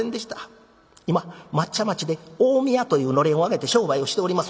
今松屋町で近江屋というのれんをあげて商売をしております。